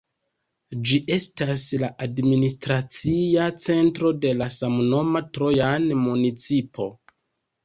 Ĝi estas la administracia centro de la samnoma Trojan Municipo.